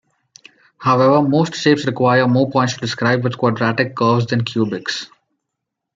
However, most shapes require more points to describe with quadratic curves than cubics.